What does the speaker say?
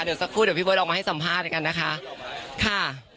เดี๋ยวสักครู่เดี๋ยวพี่เบิร์ดออกมาให้สัมภาษณ์กันนะคะค่ะ